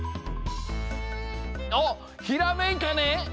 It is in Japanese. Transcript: おっひらめいたね！